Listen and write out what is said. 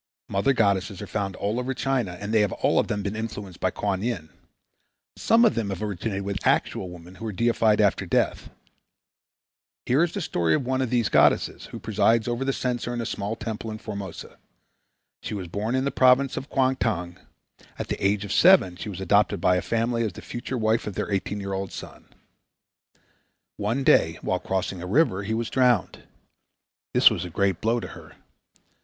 Mother goddesses are found all over China and they have all of them been influenced by Kuan Yin. Some of them have originated with actual women who were deified after death. Here is the story of one of these goddesses who presides over the censer in a small temple in Formosa. She was born in the province of Kuangtung. At the age of seven she was adopted by a family as the future wife of their eighteen year old son. One day while crossing a river he was drowned. This was a great blow to her.